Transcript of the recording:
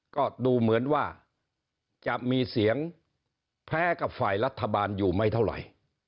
ก็ดูเหมือนว่าจะมีเสียงแพ้กับฝ่ายรัฐบาลอยู่ไม่เท่าไหร่